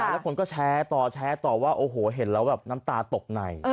แล้วคนก็แชร์ต่อแชร์ต่อว่าโอ้โหเห็นแล้วแบบน้ำตาตกใน